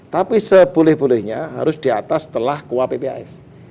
tapi seboleh bolehnya harus di atas setelah kuapps